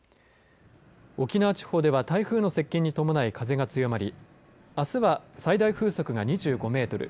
沖縄地方では台風の接近に伴い風が強まりあすは最大風速が２５メートル